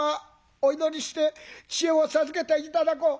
お祈りして知恵を授けて頂こう。